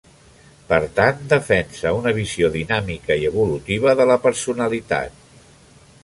Per tant, defensa una visió dinàmica i evolutiva de la personalitat.